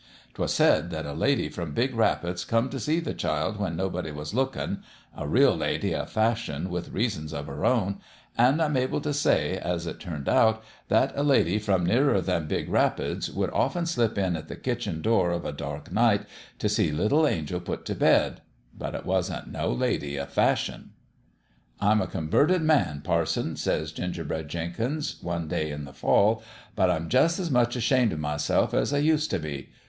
'Twas said that a lady from Big Rapids come t' see the child when nobody was lookin' a real lady o' fashion with reasons of her own an' I'm able t' say, as it turned out, That MEASURE of LOl/E 205 that a lady from nearer than Big Rapids would often slip in at the kitchen door of a dark night t' see little Angel put t' bed ; but it wasn't no lady o' fashion. "' I'm a converted man, parson,' says Ginger bread Jenkins, one day in the fall, ' but I'm jus' as much ashamed o' myself as I used t' be.